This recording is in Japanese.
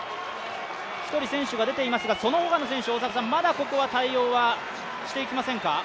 １人選手が出ていますが、その他の選手はまだここは対応はしていきませんか？